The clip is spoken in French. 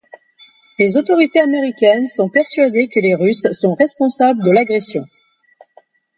Les autorités américaines sont persuadées que les Russes sont responsables de l'agression.